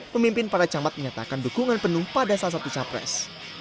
pemimpin para camat menyatakan dukungan penuh pada salah satu capres